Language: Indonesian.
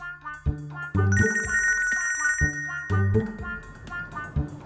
bapak sobat p algunemberom pastor maafan tangyouk matta